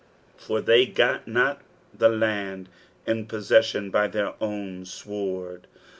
"For they got not the land in poetettion 6y their oten siwrJ."